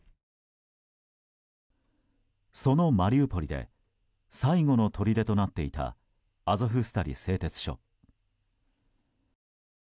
そのマリウポリで最後のとりでとなっていたアゾフスタリ製鉄所。